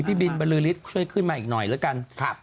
พี่บินบรือฤทธิ์ช่วยขึ้นมาอีกหน่อยแล้วกัน